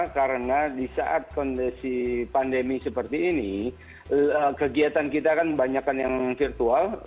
karena di saat kondisi pandemi seperti ini kegiatan kita kan banyak yang virtual